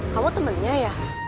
kamu temennya ya